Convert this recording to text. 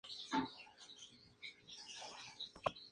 Allí se encuentra una efigie en su honor.